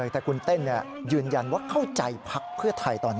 แต่คุณเต้นยืนยันว่าเข้าใจพักเพื่อไทยตอนนี้